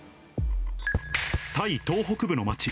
タイ東北部の街。